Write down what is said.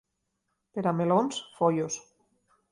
Per a melons, Foios.